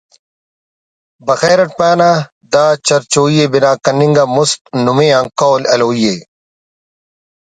بخیر اٹ پانہ دا چرجوئی ءِ بنا کننگ آن مست نمے آن قول ہلوئی ءِ